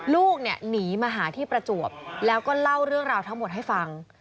ลูกเนี่ยหนีมาหาที่ประจวบแล้วก็เล่าเรื่องราวทั้งหมดให้ฟัง